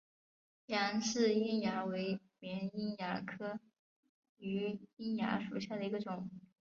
杨氏瘿蚜为绵瘿蚜科榆瘿蚜属下的一个种。